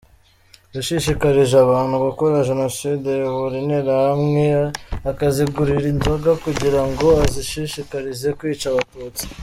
Yashishikarije abantu gukora jenoside, ayobora Interahamwe, akazigurira inzoga kugira ngo azishishikarize kwica Abatutsi.